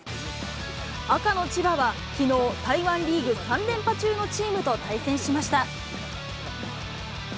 赤の千葉はきのう、台湾リーグ３連覇中のチームと対戦しました。